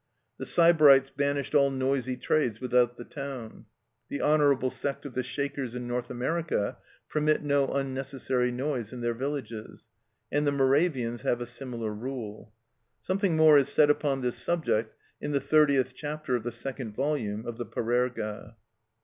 The Sybarites banished all noisy trades without the town; the honourable sect of the Shakers in North America permit no unnecessary noise in their villages, and the Moravians have a similar rule. Something more is said upon this subject in the thirtieth chapter of the second volume of the "Parerga."